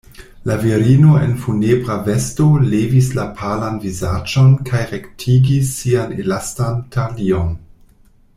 La virino en funebra vesto levis la palan vizaĝon kaj rektigis sian elastan talion.